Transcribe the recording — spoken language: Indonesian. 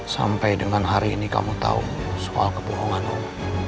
sampai dengan hari ini kamu tahu soal kebohongan om